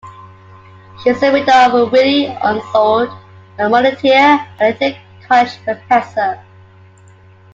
She is the widow of Willi Unsoeld, a mountaineer and later college professor.